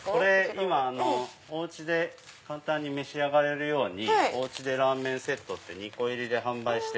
今お家で召し上がれるようにおうちでラーメンセットって２個入りで販売して。